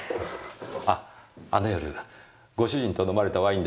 ああの夜ご主人と飲まれたワインですが銘柄は？